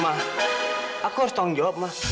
mama harus menjawab